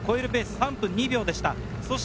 ３分２秒でした。